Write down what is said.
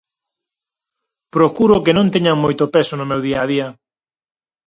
Procuro que non teñan moito peso no meu día a día.